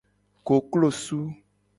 Koklosu.